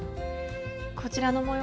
こちらの模様